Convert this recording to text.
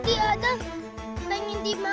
biar aku meminjal setiap hari